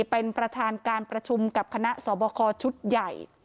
เป็นประธานการประชุมกับคณะสอบคอชุดใหญ่